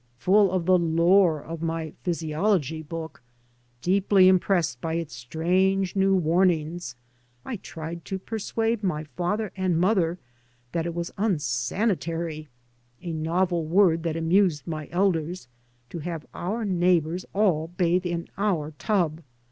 3 by Google MY MOTHER AND 1 Full of the lore of my physiology book, deeply impressed by its strange new warn ings, I tried to persuade my father and mother that it was unsanitary — a novel word that amused my elders — to have our neighbours all bathe in our tub.